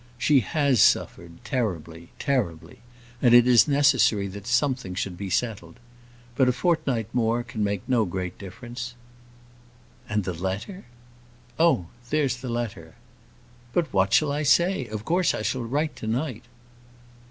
She has suffered, terribly, terribly; and it is necessary that something should be settled. But a fortnight more can make no great difference." "And the letter?" "Oh! there's the letter." "But what shall I say? Of course I shall write to night."